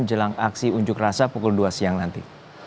jelang aksi unjuk rasa pukul dua siang nanti